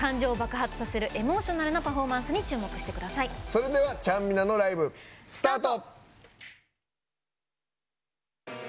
それでは、ちゃんみなのライブ、スタート。